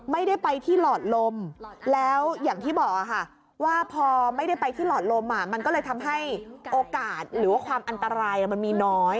ไม่ได้ไปที่หลอดลมแล้วอย่างที่บอกค่ะว่าพอไม่ได้ไปที่หลอดลมมันก็เลยทำให้โอกาสหรือว่าความอันตรายมันมีน้อย